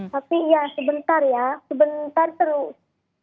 tapi ya sebentar ya sebentar terus